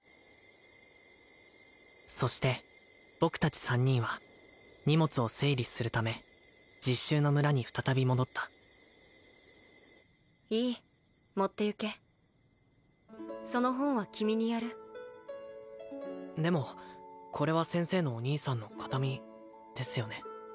そして僕達３人は荷物を整理するため実習の村に再び戻ったいい持ってゆけその本は君にやるでもこれは先生のお兄さんの形見ですよね